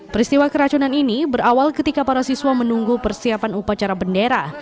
peristiwa keracunan ini berawal ketika para siswa menunggu persiapan upacara bendera